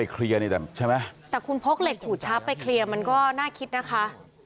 เคลียร์นี่แต่ใช่ไหมแต่คุณพกเหล็กขูดช้าไปเคลียร์มันก็น่าคิดนะคะ